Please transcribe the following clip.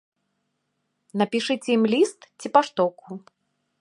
Напішыце ім ліст ці паштоўку!